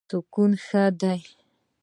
سکون ښه دی.